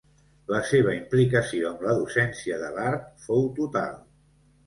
La seva implicació amb la docència de l'art fou total.